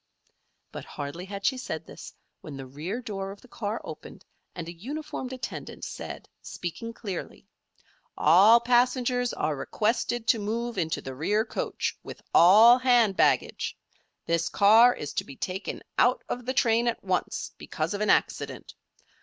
But hardly had she said this, when the rear door of the car opened and a uniformed attendant said, speaking clearly: "All passengers are requested to move into the rear coach, with all hand baggage. This car is to be taken out of the train at once because of an accident.